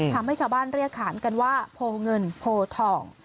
ทำให้ชาวบ้านเรียกขานกันว่าโพเงินโพทอง